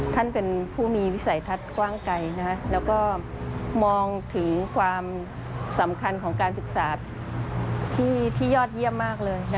ท่านเป็นผู้มีวิสัยทัศน์กว้างไกลแล้วก็มองถึงความสำคัญของการศึกษาที่ยอดเยี่ยมมากเลย